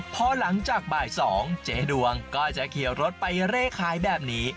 พอหลังจากบ่าย๒เจ๊ดวงก็จะเขียวรถไปเร่ขายแบบนี้